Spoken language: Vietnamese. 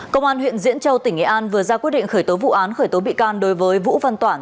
công an huyện diễn châu tỉnh nghệ an vừa ra quyết định khởi tố vụ án khởi tố bị can đối với vũ văn toản